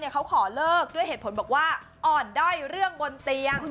เขาขอเลิกด้วยเหตุผลบอกว่าอ่อนด้อยเรื่องบนเตียง